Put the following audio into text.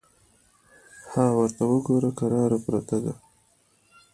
_ها ورته وګوره! کراره پرته ده.